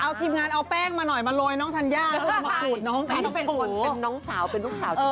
เอาทีมงานเอาแป้งมาหน่อยมาลอยน้องทัญญา